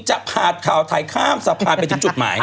จะผ่านข่าวไทยข้ามสะพานไปถึงจุดหมาย